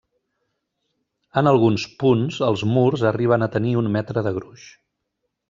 En alguns punts els murs arriben a tenir un metre de gruix.